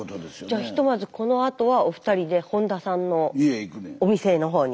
じゃあひとまずこのあとはお二人で本田さんのお店の方に。